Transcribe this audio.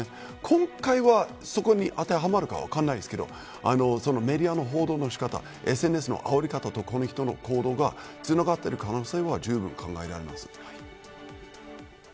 今回は、そこに当てはまるか分かりませんがメディアの報道の仕方やＳＮＳのあおり方やこの人の行動がつながってる可能性はあります。